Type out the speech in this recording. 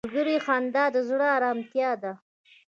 • د ملګري خندا د زړه ارامتیا ده.